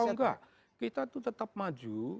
oh enggak kita itu tetap maju